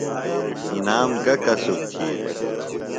انعام گہ کسُب تھی دےۡ؟